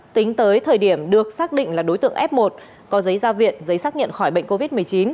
tính tới thời điểm được xác định là đối tượng f một có giấy gia viện giấy xác nhận khỏi bệnh covid một mươi chín